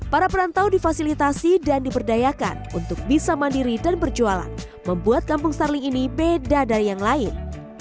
para perantau difasilitasi dan diberdayakan untuk bisa mandiri dan berjualan membuat kampung starling ini beda dari yang lain